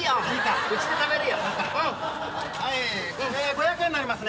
５００円になりますね。